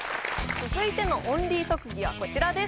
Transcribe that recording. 続いてのオンリー特技はこちらです